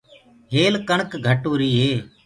هيل ڪڻڪ گھٽ هوُري هي۔